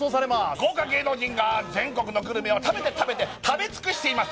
豪華芸能人が全国のグルメを食べて食べて食べつくしています